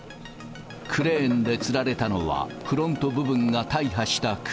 クレーンでつられたのは、フロント部分が大破した車。